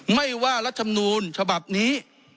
ไม่ว่ารักษมนูลภาพนี้